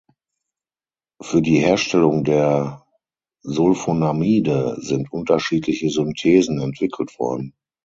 Für die Herstellung der Sulfonamide sind unterschiedliche Synthesen entwickelt worden.